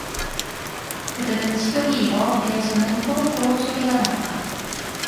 그들은 식욕이 일어 배에서는 꼬록꼬록 소리가 났다.